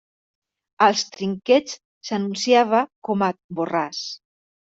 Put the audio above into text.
Als trinquets s'anunciava com a Borràs.